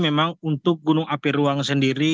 memang untuk gunung api ruang sendiri